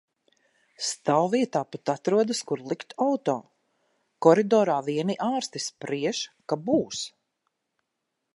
Stāvvietā pat atrodas, kur likt auto. Koridorā vieni ārsti spriež, ka būs !